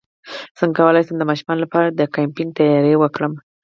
څنګه کولی شم د ماشومانو لپاره د کیمپینګ تیاری وکړم